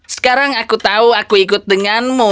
sekarang aku tahu aku ikut denganmu